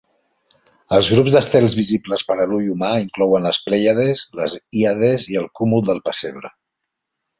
Els grups d'estels visibles per a l'ull humà inclouen les Plèiades, les Híades i el Cúmul del Pessebre.